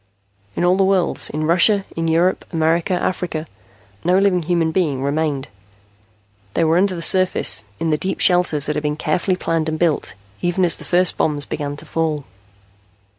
In all the world in Russia, in Europe, America, Africa no living human being remained. They were under the surface, in the deep shelters that had been carefully planned and built, even as the first bombs began to fall.